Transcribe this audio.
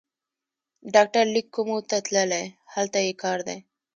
ډاکټر لېک کومو ته تللی، هلته یې کار دی.